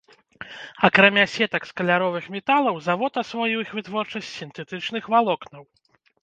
Акрамя сетак з каляровых металаў, завод асвоіў іх вытворчасць з сінтэтычных валокнаў.